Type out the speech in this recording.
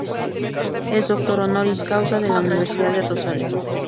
Es doctor Honoris Causa de la Universidad de Rosario.